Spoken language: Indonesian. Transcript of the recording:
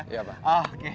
kebanggaan iya pak